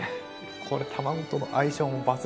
これ卵との相性も抜群。